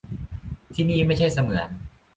ที่นี่ไม่ใช่เสมือน